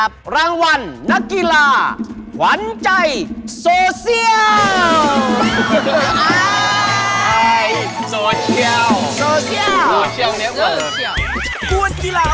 สองรางควรแล้วนะจากเดินต่อแรก